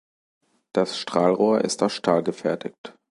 Das Strahlrohr ist aus Stahl gefertigt.